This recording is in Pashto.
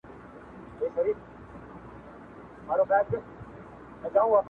کېدای سي چي د افغان مهاجرو